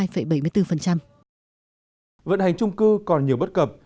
vận hành chung cư còn nhiều bất cập